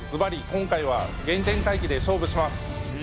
今回は原点回帰で勝負します